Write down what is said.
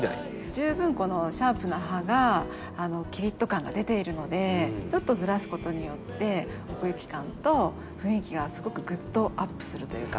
十分このシャープな葉がキリッと感が出ているのでちょっとずらすことによって奥行き感と雰囲気がすごくぐっとアップするというか。